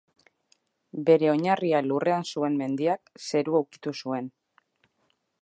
Bere oinarria lurrean zuen mendiak, Zerua ukitu zuen.